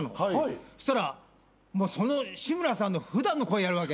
そしたらその志村さんの普段の声やるわけ。